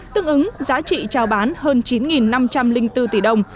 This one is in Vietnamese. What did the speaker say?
tương ứng giá trị trao bán hơn chín năm trăm linh bốn tỷ đồng